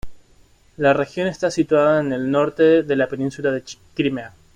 La región está situada en el norte de la península de Crimea.